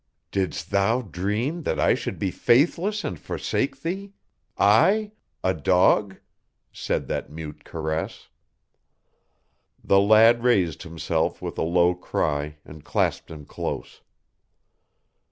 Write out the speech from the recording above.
"Didst thou dream that I should be faithless and forsake thee? I a dog?" said that mute caress. The lad raised himself with a low cry and clasped him close.